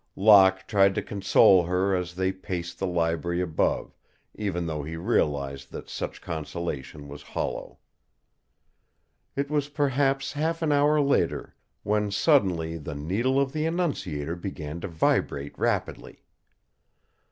Locke tried to console her as they paced the library above, even though he realized that such consolation was hollow. It was perhaps half an hour later when suddenly the needle of the annunciator began to vibrate rapidly.